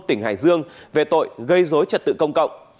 tỉnh hải dương về tội gây dối trật tự công cộng